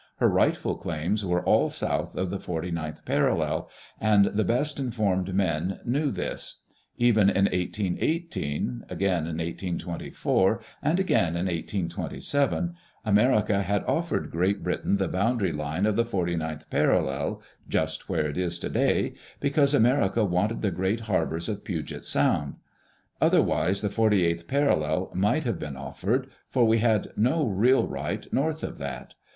Her rightful claims were all south of the forty ninth parallel, and the best informed men knew this. Even in 181 8, again in 1824, and again in 1827, America had offered Great Britain the boundary line of the forty ninth parallel — just where it is today — because America wanted the great harbors of Puget Sound ; otherwise the forty eighth parallel might have been offered, for we had no real right north of that.